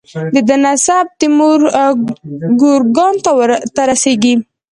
د ده نسب تیمور ګورکان ته رسیږي.